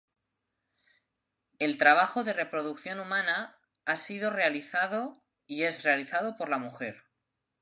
El trabajo de reproducción humana ha sido realizado y es realizado por la mujer.